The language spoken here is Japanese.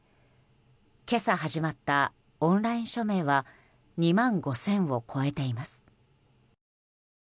今朝始まったオンライン署名は２万５０００を超えています。